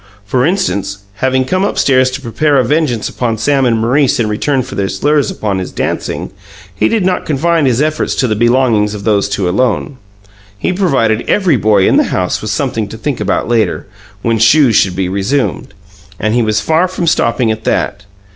For instance, having come upstairs to prepare a vengeance upon Sam and Maurice in return for their slurs upon his dancing, he did not confine his efforts to the belongings of those two alone. He provided every boy in the house with something to think about later, when shoes should be resumed; and he was far from stopping at that.